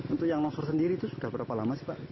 untuk yang longsor sendiri itu sudah berapa lama sih pak